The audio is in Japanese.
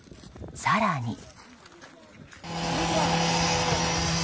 更に。